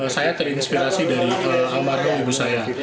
saya terinspirasi dari almarhum ibu saya